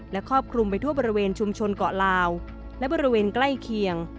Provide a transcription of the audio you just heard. และครอบคลุมไปทั่วบริเวณชุมชนเกาะลาวและบริเวณใกล้เคียง